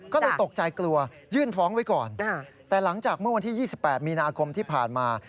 ก็เลยตกใจกลัวยื่นฟ้องไว้ก่อนแต่หลังจากเมื่อวันที่๒๘มีนาคมที่ผ่านมา